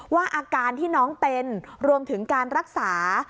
ว่าอาการที่น้องเป็นรวมถึงการรักษา